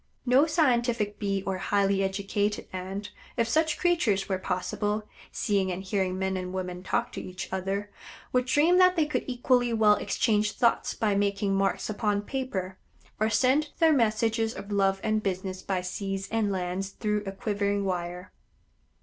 No scientific Bee or highly educated Ant, if such creatures were possible, seeing and hearing men and women talk to each other, would dream that they could equally well exchange thoughts by making marks upon paper, or send their messages of love and business by seas and lands through a quivering wire.